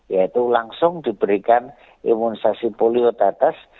yaitu langsung diberikan imunisasi polio tetes